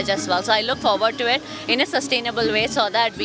jadi saya melihat ke depan dengan cara yang berkelanjutan